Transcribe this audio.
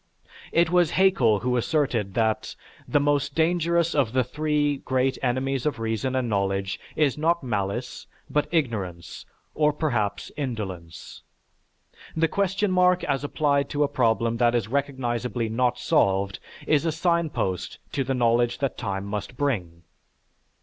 It was Haeckel who asserted that, "The most dangerous of the three great enemies of reason and knowledge is not malice, but ignorance, or perhaps, indolence." The question mark as applied to a problem that is recognizably not solved is a signpost to the knowledge that time must bring.